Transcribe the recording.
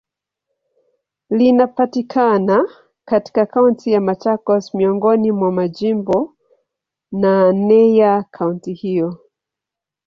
Linapatikana katika Kaunti ya Machakos, miongoni mwa majimbo naneya kaunti hiyo.